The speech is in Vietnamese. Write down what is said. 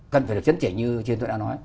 cần phải được chấn chỉnh như trên tôi đã nói